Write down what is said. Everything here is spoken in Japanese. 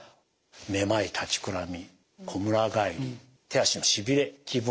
めまい立ちくらみこむら返り手足のしびれ気分